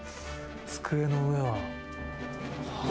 机の上は。